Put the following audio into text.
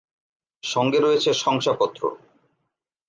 সঙ্গে রয়েছে শংসাপত্র।